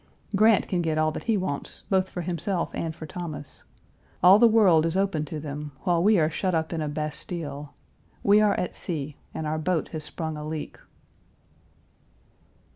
Grant can get all that he wants, both for himself and for Thomas. All the world is open to them, while we are shut up in a bastile.. We are at sea, and our boat has sprung a leak.